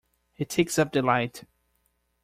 He takes up the light.